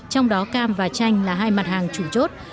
trong đó cam và chanh là hai mặt hàng chủ chốt